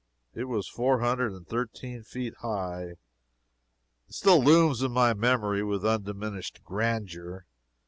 It is four hundred and thirteen feet high. It still looms in my memory with undiminished grandeur.